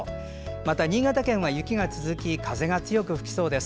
また、新潟県は風が強く吹きそうです。